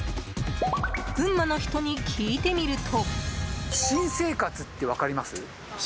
群馬の人に聞いてみると。